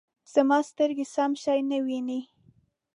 زما سترګې سم شی نه وینې